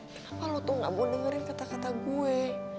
kenapa lu tuh gak mau dengerin kata kata gue